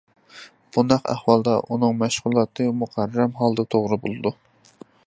بۇنداق ئەھۋالدا ئۇنىڭ مەشغۇلاتى مۇقەررەر ھالدا توغرا بولىدۇ.